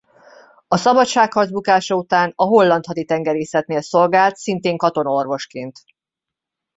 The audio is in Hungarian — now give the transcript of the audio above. A szabadságharc bukása után a holland haditengerészetnél szolgált szintén katonaorvosként.